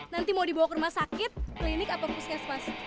nanti mau dibawa ke rumah sakit klinik atau puskesmas